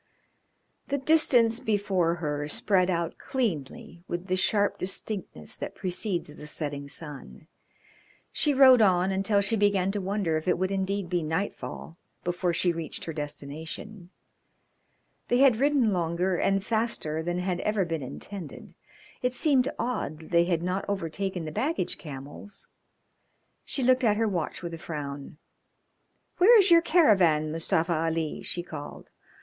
The distance before her spread out cleanly with the sharp distinctness that precedes the setting sun. She rode on until she began to wonder if it would indeed be night fall before she reached her destination. They had ridden longer and faster than had ever been intended. It seemed odd that they had not overtaken the baggage camels. She looked at her watch with a frown. "Where is your caravan, Mustafa Ali?" she called.